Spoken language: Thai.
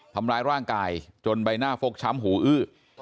ทำร้ายร่างกายจนใบหน้าฟกช้ำหูอื้อ